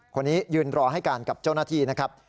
คนนี้ยืนรอให้การกับเจ้าหน้าที่นะครับ